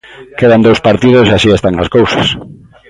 Quedan dous partidos e así están as cousas.